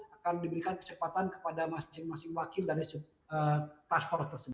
akan diberikan kesempatan kepada masing masing wakil dari sub task force tersebut